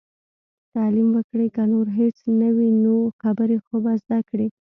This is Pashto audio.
تعليم وکړئ! که نور هيڅ نه وي نو، خبرې خو به زده کړي.